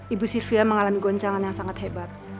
ibu sylvia mengalami goncangan yang sangat hebat